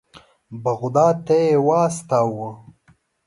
بغداد ته یې واستاوه.